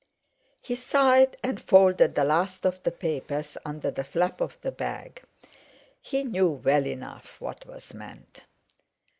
He sighed, and folded the last of the papers under the flap of the bag; he knew well enough what was meant.